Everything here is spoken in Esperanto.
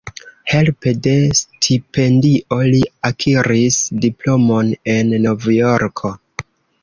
Helpe de stipendio li akiris diplomon en Novjorko.